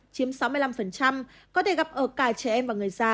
chiếm sáu mươi năm có thể gặp ở cả trẻ em và người già